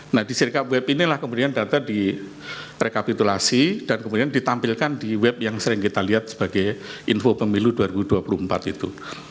nah di sirkup web inilah kemudian data direkapitulasi dan kemudian ditampilkan di web yang sering kita lihat sebagai info pemilu dua ribu dua puluh empat itu